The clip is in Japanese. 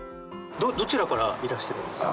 どちらからいらしてるんですか？